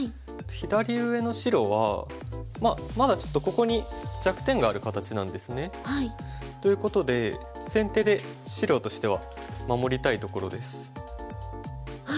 左上の白はまあまだちょっとここに弱点がある形なんですね。ということで先手で白としては守りたいところです。